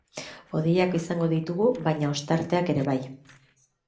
Hodeiak izango ditugu, baina ostarteak ere bai.